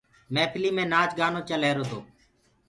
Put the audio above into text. مهڦلي مينٚ نآچ گآنو چل رهيرو تو۔